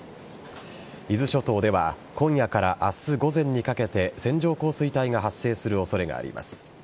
伊豆諸島では今夜から明日午前にかけて線状降水帯が発生する恐れがあります。